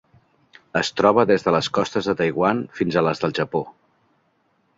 Es troba des de les costes de Taiwan fins a les del Japó.